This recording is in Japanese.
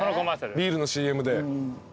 ビールのＣＭで。